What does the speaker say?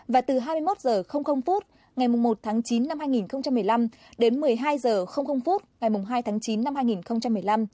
và từ hai mươi một h ngày một tháng chín năm hai nghìn một mươi năm đến một mươi hai h ngày hai tháng chín năm hai nghìn một mươi năm